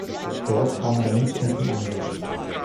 Dort kam er dann nicht mehr zum Einsatz.